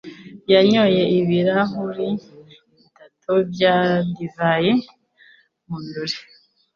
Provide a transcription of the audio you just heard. yanyoye ibirahuri bitatu bya divayi mu birori.